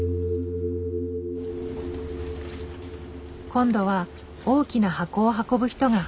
今度は大きな箱を運ぶ人が。